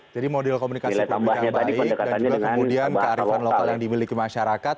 jadi modul komunikasi kemudian baik dan juga kemudian kearifan lokal yang dimiliki masyarakat